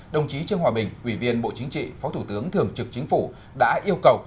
đồng chí trương hòa bình ủy viên bộ chính trị phó thủ tướng thường trực chính phủ đã yêu cầu